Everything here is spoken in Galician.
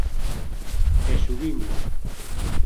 E subindo.